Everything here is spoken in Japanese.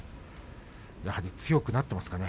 やはり強くなっていますかね。